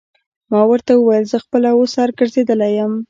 ما ورته وویل: زه خپله اوس سر ګرځېدلی یم.